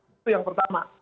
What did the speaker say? itu yang pertama